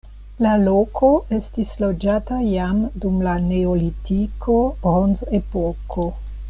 La loko estis loĝata jam dum la neolitiko, bronzepoko.